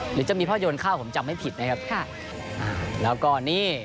หรือจะมีพ่อโยนเข้าผมจำให้ผิดนะครับแล้วก็นี่